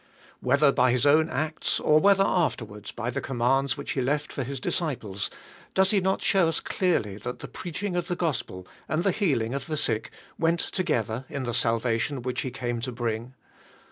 Whether by His own acts or whether alter wards by the commands which He left for His disciples, does He nof show us dearly that the preaching ot the Gospel and the healing of the sick went together in the salva tion which He came to tiring?